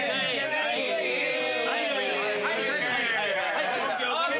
はいＯＫＯＫ。